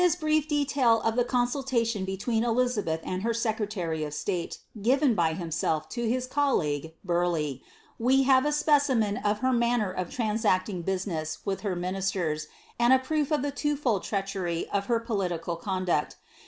ef detail of the consultation between Elizabeth and hei itate, given by himself, to his colleague, Burleigh, we have f her manner of transacting business with her miniiters, if the twofold treachery of her political conduct.